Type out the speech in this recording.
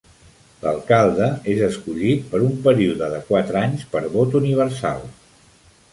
L'alcalde és escollit per un període de quatre anys per vot universal.